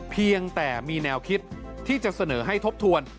เพียงแต่มีแนวคิดที่จะเสนอให้ทบทวน